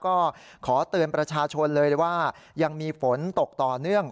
ก็ขอเตือนประชาชนเลยว่ายังมีฝนตกต่อเนื่อง